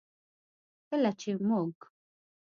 کله چې موږ